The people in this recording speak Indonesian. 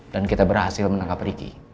kita berhasil menangkap ricky